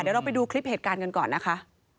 เดี๋ยวเราไปดูคลิปเหตุการณ์กันก่อนนะคะ